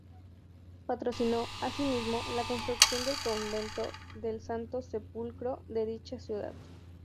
Patrocinó, asimismo, la construcción del Convento del Santo Sepulcro de dicha ciudad.